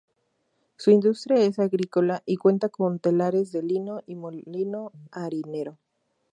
Su industria es agrícola y cuanta con telares de lino y molino harinero.